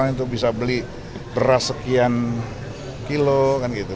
itu bisa beli beras sekian kilo kan gitu